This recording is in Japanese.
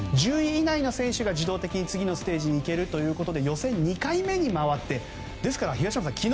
１０位以内の選手が自動的に次のステージに行けるということで予選２回目に回ってですから東山さん